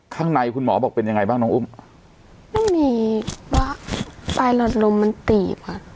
ข้างในคุณหมอบอกเป็นยังไงบ้างน้องอุ้มไม่มีว่าปลายหลอดลมมันตีบค่ะ